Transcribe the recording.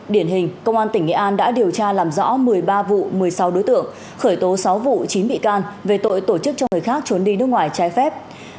điển hình công an tỉnh nghệ an đã điều tra làm rõ một mươi ba vụ một mươi sáu đối tượng khởi tố sáu vụ chín bị can về tội tổ chức cho người khác trốn đi nước ngoài trái phép